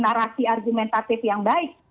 narasi argumentatif yang baik